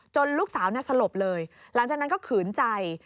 ลูกสาวสลบเลยหลังจากนั้นก็ขืนใจ